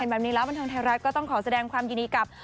แบบนี้แล้วบันเทิงไทยรัฐก็ต้องขอแสดงความยินดีกับ